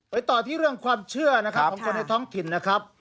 ต่อที่เรื่องความเชื่อนะครับของคนในท้องถิ่นนะครับ